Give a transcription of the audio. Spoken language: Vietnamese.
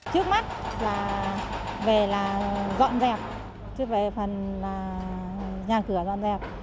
trước mắt là về là dọn dẹp trước mắt là về phần nhà cửa dọn dẹp